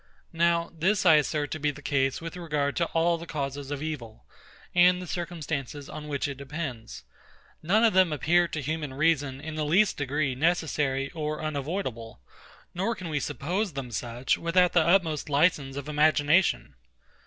Now, this I assert to be the case with regard to all the causes of evil, and the circumstances on which it depends. None of them appear to human reason in the least degree necessary or unavoidable; nor can we suppose them such, without the utmost license of imagination.